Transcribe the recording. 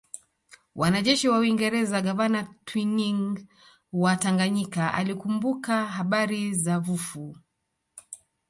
Wanajeshi wa Uingereza gavana Twining wa Tanganyika alikumbuka habari za fuvu